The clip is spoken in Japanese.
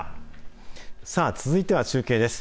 さあ、続いては中継です。